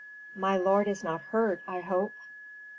"My lord is not hurt, I hope?"